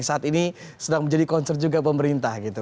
saat ini sedang menjadi concern juga pemerintah gitu